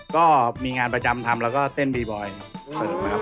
ก็มีงานประจำทำแล้วก็เต้นบีบอยด์